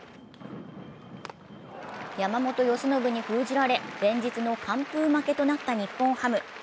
山本由伸に封じられ連日の完封負けとなった日本ハム。